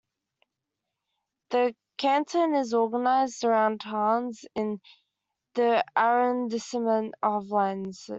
The canton is organised around Harnes in the arrondissement of Lens.